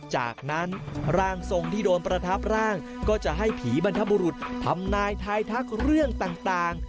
จากนั้นร่างทรงที่โดนประทับร่างก็จะให้ผีบรรทบุรุษทำนายทายทักเรื่องต่าง